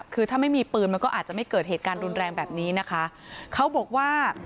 คือถ้าไม่มีปืนมันก็อาจจะไม่เกิดเหตุการณ์รุนแรงแบบนี้นะคะเขาบอกว่า